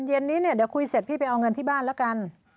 เย็นนี้เนี่ยเดี๋ยวคุยเสร็จพี่ไปเอาเงินที่บ้านแล้วกัน